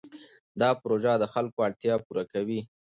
دا پروژه د خلکو اړتیا پوره کوي.